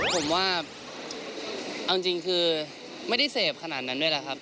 ผมว่าเอาจริงคือไม่ได้เสพขนาดนั้นด้วยแหละครับ